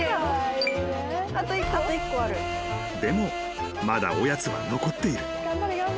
［でもまだおやつは残っている］